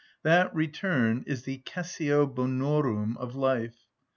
That return is the cessio bonorum of life.